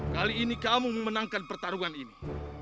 kali ini kamu memenangkan pertarungan ini